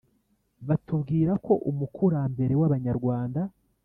batubwira ko umukurambere w Abanyarwanda